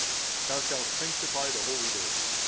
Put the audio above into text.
78 Thou shalt sanctify the holy day.